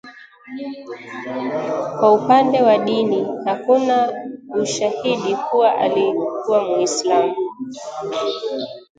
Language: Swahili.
Kwa upande wa dini, hakuna ushahidi kuwa alikuwa Mwislamu